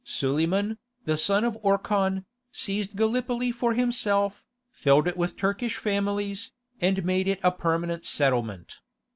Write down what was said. Suleiman, the son of Orkhan, seized Gallipoli for himself, filled it with Turkish families, and made it a permanent settlement.